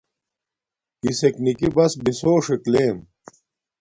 کِسݵک نِکِݵ بس بِسݸݽݵک لݵئم.